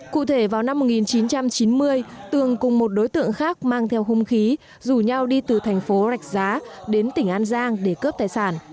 cụ thể vào năm một nghìn chín trăm chín mươi tường cùng một đối tượng khác mang theo hung khí rủ nhau đi từ thành phố rạch giá đến tỉnh an giang để cướp tài sản